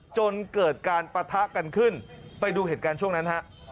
จนเกิดการปะทะกันขึ้นไปดูเหตุการณ์ช่วงนั้นฮะ